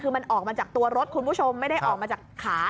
คือมันออกมาจากตัวรถคุณผู้ชมไม่ได้ออกมาจากขา